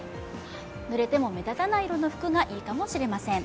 ぬれても目立たない色の服がいいかもしれません。